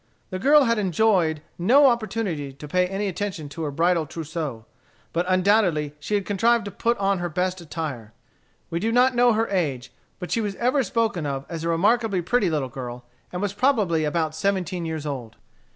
The girl had enjoyed no opportunity to pay any attention to her bridal trousseau. But undoubtedly she had contrived to put on her best attire. We do not know her age, but she was ever spoken of as a remarkably pretty little girl, and was probably about seventeen years old.